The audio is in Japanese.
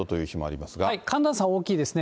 寒暖差、大きいですね。